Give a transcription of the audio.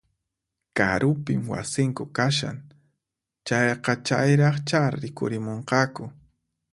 Karupin wasinku kashan, chayqa chayraqchá rikurimunqaku